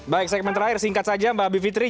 baik segmen terakhir singkat saja mbak bivitri